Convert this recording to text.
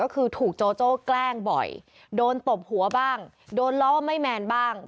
ก็คือถูกโจโจ้แกล้งบ่อยโดนตบหัวบ้างโดนล้อไม่แมนบ้าง